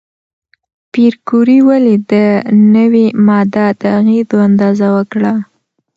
پېیر کوري ولې د نوې ماده د اغېزو اندازه وکړه؟